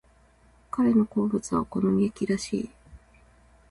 彼の好物はお好み焼きらしい。